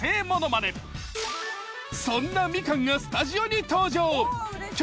そんなみかんがスタジオに登場。